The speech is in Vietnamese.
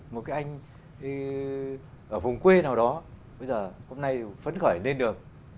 một cái anh ở vùng quê nào đó bây giờ hôm nay phấn khởi lên đường